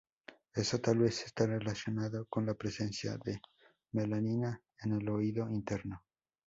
Esto tal vez este relacionado con la presencia de melanina en el oído interno.